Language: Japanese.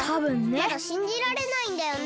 まだしんじられないんだよね。